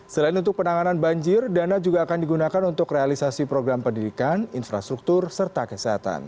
selain untuk penanganan banjir dana juga akan digunakan untuk realisasi program pendidikan infrastruktur serta kesehatan